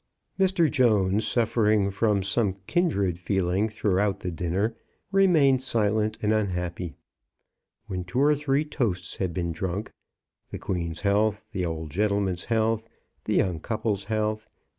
Mr. Jones, suffering from some kindred feeling through out the dinner, remained silent and unhappy. When two or three toasts had been drunk — the Queen's health, the old gentleman's health, the young couple's health.